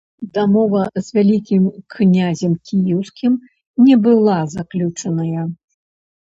Дамова з вялікім князем кіеўскім не была заключаная.